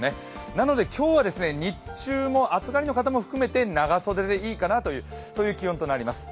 なので今日は日中も暑がりの方も含めて長袖でいいかなという気温になります。